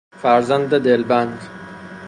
فرزند دلبند